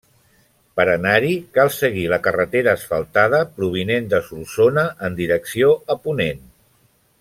Per anar-hi cal seguir la carretera asfaltada provinent de Solsona en direcció a ponent.